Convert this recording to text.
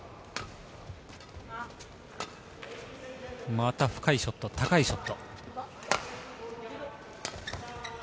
また深いショット、高いショット。